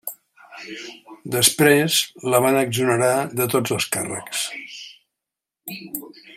Després, la van exonerar de tots els càrrecs.